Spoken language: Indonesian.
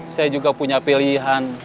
saya juga punya pilihan